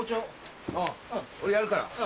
俺やるから。